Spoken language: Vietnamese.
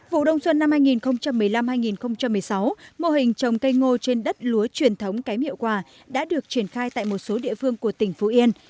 vụ đông xuân năm hai nghìn một mươi năm hai nghìn một mươi sáu mô hình trồng cây ngô trên đất lúa truyền thống kém hiệu quả đã được triển khai tại một số địa phương của tỉnh phú yên